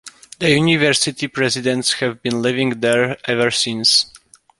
The university presidents have been living there ever since.